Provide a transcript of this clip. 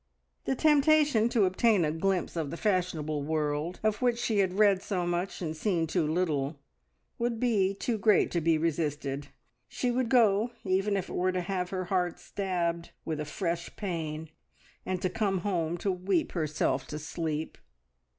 The temptation to obtain a glimpse of the fashionable world of which she had read so much and seen too little would be too great to be resisted; she would go even if it were to have her heart stabbed with a fresh pain, and to come home to weep herself to sleep!